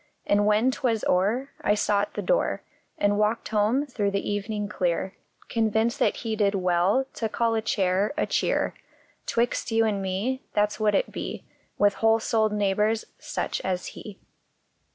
And when twas o er I sought the door, And walked home through the evening clear Convinced that he did well to call a chair a " cheer " Twixt you and me That s what it be " With whole souled neighbors such as he!